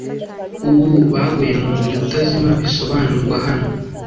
ubu baguye mu muriro utazima, bisobanurwa hano,